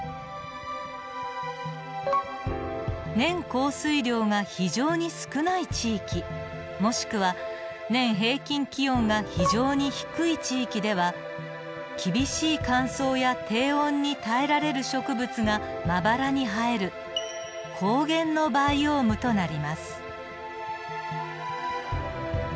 年降水量が非常に少ない地域もしくは年平均気温が非常に低い地域では厳しい乾燥や低温に耐えられる植物がまばらに生える荒原のバイオームとなります。